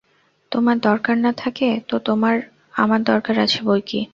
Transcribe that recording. তোমার দরকার না থাকে তো আমার দরকার আছে বৈকি।